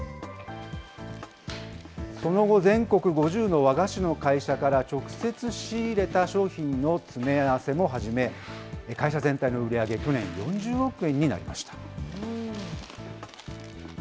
その後、全国５０の和菓子の会社から直接仕入れた商品の詰め合わせも始め、会社全体の売り上げ、去年４０億円になりました。